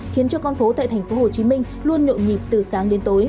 khiến cho con phố tại tp hcm luôn nhộn nhịp từ sáng đến tối